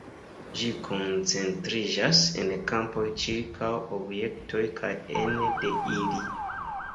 Ĝi koncentriĝas en kampoj ĉirkaŭ objektoj kaj ene de ili.